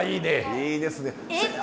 いいですね！